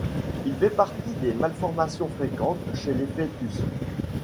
Il fait partie des malformations fréquentes chez les fœtus.